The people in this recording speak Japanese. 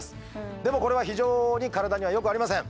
でもこれは非常に体にはよくありません。